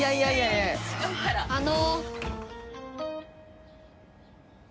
あの。